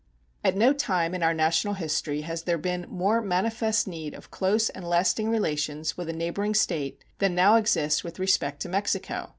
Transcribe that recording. At no time in our national history has there been more manifest need of close and lasting relations with a neighboring state than now exists with respect to Mexico.